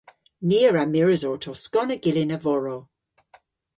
Ni a wra mires orto skonna gyllyn a-vorow.